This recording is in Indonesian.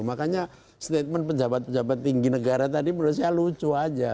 makanya statement pejabat pejabat tinggi negara tadi menurut saya lucu aja